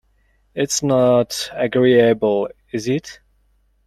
It's not agreeable, is it?